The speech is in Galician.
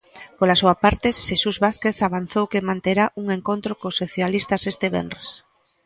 Pola súa parte, Xesús Vázquez avanzou que manterá un encontro cos socialistas este venres.